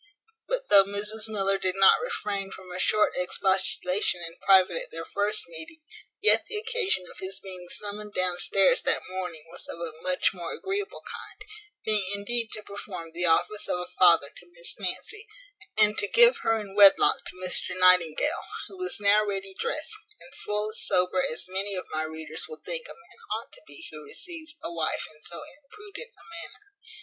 But though Mrs Miller did not refrain from a short expostulation in private at their first meeting, yet the occasion of his being summoned downstairs that morning was of a much more agreeable kind, being indeed to perform the office of a father to Miss Nancy, and to give her in wedlock to Mr Nightingale, who was now ready drest, and full as sober as many of my readers will think a man ought to be who receives a wife in so imprudent a manner.